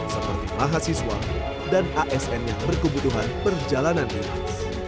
seperti mahasiswa dan asn yang berkebutuhan perjalanan ringan